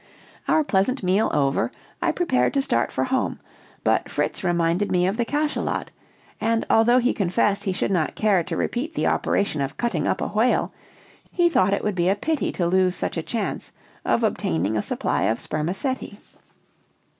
Our pleasant meal over, I prepared to start for home, but Fritz reminded me of the cachalot, and although he confessed he should not care to repeat the operation of cutting up a whale, he thought it would be a pity to lose such a chance of obtaining a supply of spermaceti.